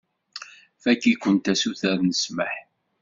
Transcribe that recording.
Fakk-ikent asuter n ssmaḥ.